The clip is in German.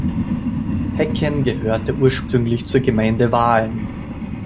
Hecken gehörte ursprünglich zur Gemeinde Wahlen.